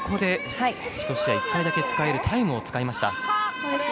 １試合、１回だけ使えるタイムを使いました。